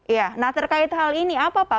iya nah terkait hal ini apa pak